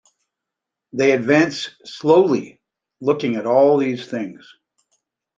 They advance slowly, looking at all these things.